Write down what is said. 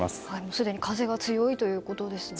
すでに風が強いということですね。